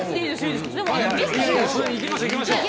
いきましょういきましょう。